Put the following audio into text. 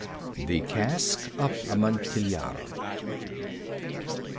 THE CASK OF AMONTILLADO.